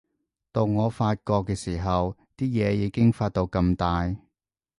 到我發覺嘅時候，啲嘢已經發到咁大